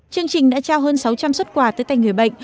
chương trình đã trao hơn sáu trăm linh xuất quà tới tay người bệnh